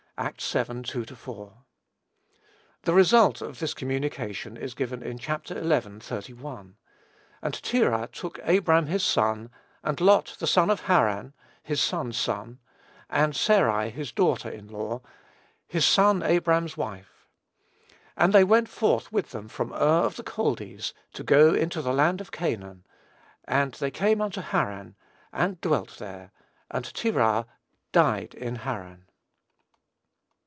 (Acts vii. 2 4.) The result of this communication is given in Chapter xi. 31: "And Terah took Abram his son, and Lot the son of Haran, his son's son, and Sarai his daughter in law, his son Abram's wife; and they went forth with them from Ur of the Chaldees, to go into the land of Canaan: and they came unto Haran, and dwelt there ... and Terah died in Haran."